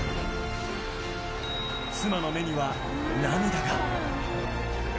妻の目には涙が。